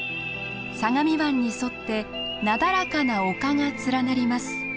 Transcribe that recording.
相模湾に沿ってなだらかな丘が連なります。